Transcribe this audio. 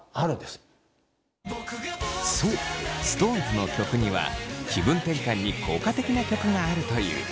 そうＳｉｘＴＯＮＥＳの曲には気分転換に効果的な曲があるという。